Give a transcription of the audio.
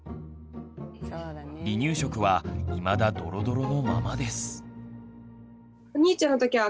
離乳食はいまだドロドロのままです。